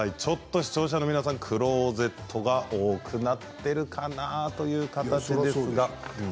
視聴者の皆さん、クローゼットが多くなっているかな。